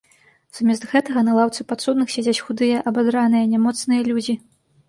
Замест гэтага на лаўцы падсудных сядзяць худыя, абадраныя, нямоцныя людзі.